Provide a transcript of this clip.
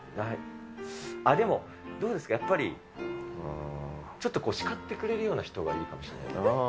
あ、でも、どうですか、やっぱり、ちょっと叱ってくれるような人がいいかもしれないな。